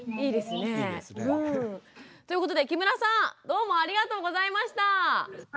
いいですね。ということで木村さんどうもありがとうございました。